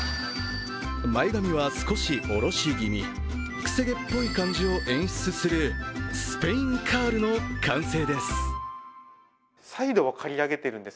前髪は少し下ろし気味、くせ毛っぽい感じを演出するスペインカールの完成です。